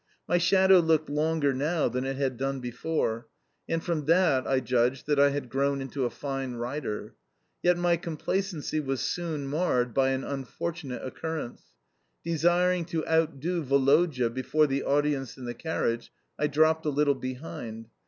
My shadow looked longer now than it had done before, and from that I judged that I had grown into a fine rider. Yet my complacency was soon marred by an unfortunate occurrence. Desiring to outdo Woloda before the audience in the carriage, I dropped a little behind.